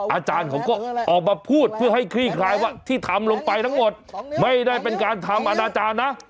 อาจารย์เขาก็ออกมาพูดเพื่อให้คลี่คลายว่าที่ทำลงไปทั้งหมดไม่ได้เป็นการทำอนาจารย์นะ